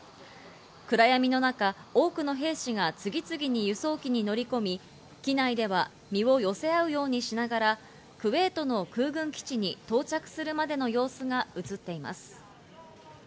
暗闇の中、多くの兵士が次々に輸送機に乗り込み、機内では身を寄せ合うようにしながらクウェートの空軍基地に到着するまでの様子が映っています。